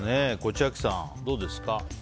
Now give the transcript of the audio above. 千秋さん、どうですか？